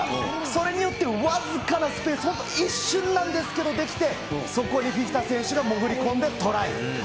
それによって、僅かなスペース、本当一瞬なんですけど、出来て、そこにひきた選手が潜りこんで、トライ。